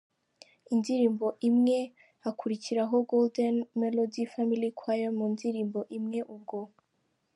indirimbo imwe, hakurikiraho Golden Melody Family Choir mu ndirimbo imwe, ubwo.